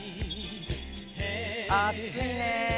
暑いねぇ！